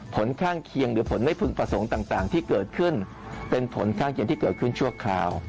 ผลข้างเคียงหรือผลไม่พึงประสงค์ต่างที่เกิดขึ้นเป็นผลข้างเคียงที่เกิดขึ้นชั่วคราว